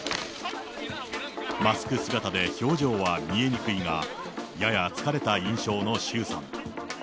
マスク姿で表情は見えにくいが、やや疲れた印象の周さん。